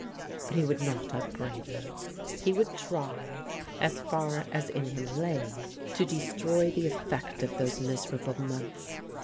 But he would not upbraid her. He would try, as far as in him lay, to destroy the cflFect of those miserable (■ months.